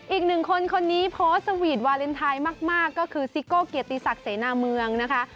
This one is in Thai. อีกหนึ่งคนคนนี้โพสต์สวีทวาเลนไทยมากก็คือซิโก้เกียรติศักดิ์เสนาเมืองนะคะ